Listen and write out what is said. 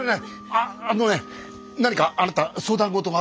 ああのね何かあなた相談事があったら。